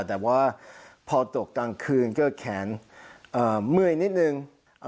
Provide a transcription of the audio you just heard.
แต่ว่าพอตกกลางคืนก็แขนเมื่อยนิดนึง